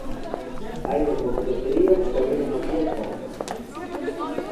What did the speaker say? Hai mesmo cafeterías que abriron as súas portas, Marcos.